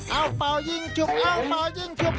เอ้าเป่ายิงจุกเอ้าเป่ายิงจุก